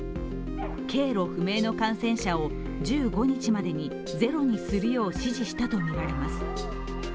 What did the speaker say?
経路不明の感染者を、１５日までにゼロにするよう指示したとみられます。